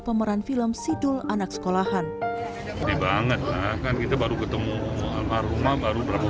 pemeran film sidul anak sekolahan di banget akan kita baru ketemu rumah rumah baru berapa